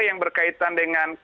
yang berkaitan dengan